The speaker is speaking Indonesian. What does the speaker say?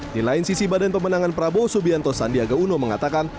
nilain sisi badan pemenangan prabowo subianto sandiaga uno mengatakan